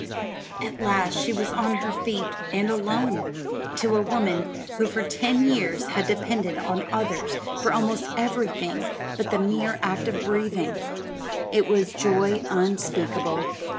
At last she was on her feet, and alone. To a woman who for ten years had depended on others for almost everything but the mere act of breathing, it was joy unspeakable.